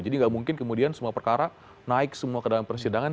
jadi tidak mungkin kemudian semua perkara naik semua ke dalam persidangan